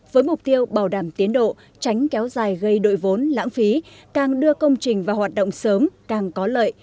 với mục tiêu bảo đảm tiến độ tránh kéo dài gây đội vốn lãng phí càng đưa công trình vào hoạt động sớm càng có lợi